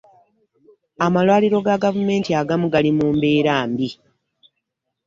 amalwaliro ga gavumenti agamu gali mu mbeera mbi.